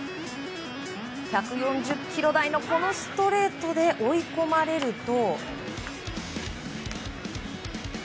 １４０キロ台のストレートで追い込まれると。